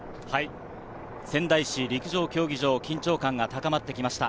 仙台市陸上競技場、緊張感が高まってきました。